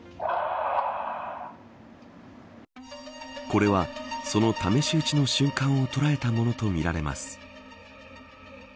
これは、その試し撃ちの瞬間を捉えたものとみられます。